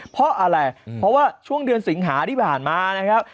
เพราะอะไรเพราะว่าช่วงเดือนสิงหาที่ผ่านมานะครับ